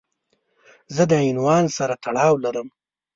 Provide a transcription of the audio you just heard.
زه د عنوان سره تړاو لرم.